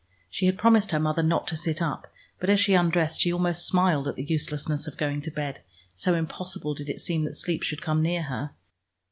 She had promised her mother not to sit up, but as she undressed she almost smiled at the uselessness of going to bed, so impossible did it seem that sleep should come near her.